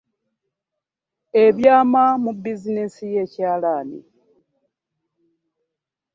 Ekyama mu bizinensi y'ekyalaani.